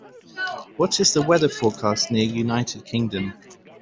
What is the weather forecast near United Kingdom